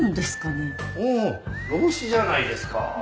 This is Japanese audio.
おお『老子』じゃないですか。